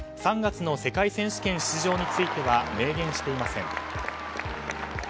３月の世界選手権出場については明言していません。